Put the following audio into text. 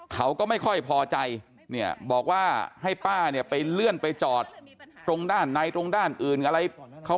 เขาก็ไม่ค่อยพอใจเนี่ยบอกว่าให้ป้าเนี่ยไปเลื่อนไปจอดตรงด้านในตรงด้านอื่นอะไรเขา